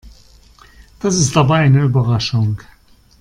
Das ist aber eine Überraschung.